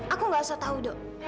aku gak usah tahu dok